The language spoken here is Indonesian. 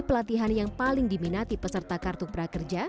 pelatihan yang paling diminati peserta kartu prakerja